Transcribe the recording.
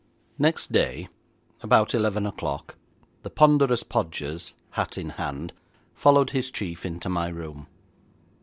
Next day, about eleven o'clock, the ponderous Podgers, hat in hand, followed his chief into my room.